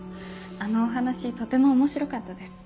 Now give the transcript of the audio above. あのお話とても面白かったです。